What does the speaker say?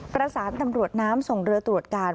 ประสานตำรวจน้ำส่งเรือตรวจการ